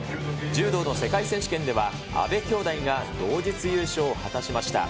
柔道の世界選手権では、阿部兄妹が同日優勝を果たしました。